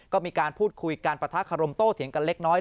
ก็มีการพูดคุยการปะทะคารมโต้เถียงกันเล็กน้อย